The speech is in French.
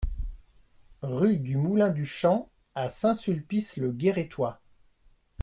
Rue du Moulin du Champ à Saint-Sulpice-le-Guérétois